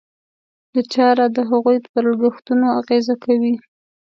دا چاره د هغوی پر لګښتونو اغېز کوي.